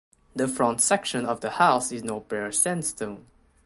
The front section of the house is now bare sandstone.